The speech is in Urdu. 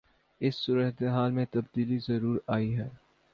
اس صورتحال میں تبدیلی ضرور آئی ہے۔